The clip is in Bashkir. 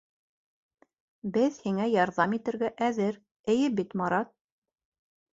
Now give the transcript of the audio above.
Беҙ һиңә ярҙам итергә әҙер, эйе бит, Марат!